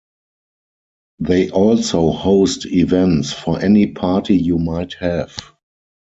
They also host events for any party you might have.